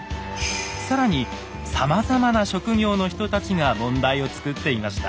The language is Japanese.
更にさまざまな職業の人たちが問題を作っていました。